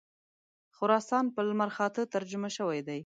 خراسان په لمرخاته ترجمه شوی دی.